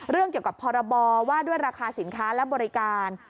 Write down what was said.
เกี่ยวกับพรบว่าด้วยราคาสินค้าและบริการ